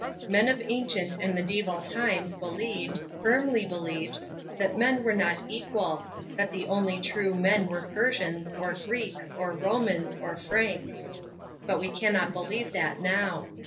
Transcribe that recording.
Men of ancient and medieval times believed, firmly believed, that men are not equal, that the only true men are Persians, or Greeks, or Romans, or Franks. But we cannot believe that now.